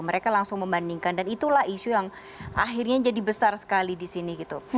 mereka langsung membandingkan dan itulah isu yang akhirnya jadi besar sekali di sini gitu